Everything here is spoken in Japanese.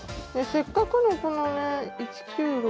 せっかくのこのね１９６９。